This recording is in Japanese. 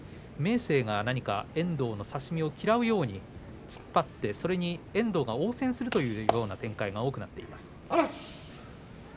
明生は何か遠藤の差し身を嫌うように突っ張って、それに遠藤が応戦するというような内容が多くなっています。